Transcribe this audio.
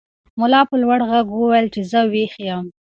ملا په لوړ غږ وویل چې زه ویښ یم.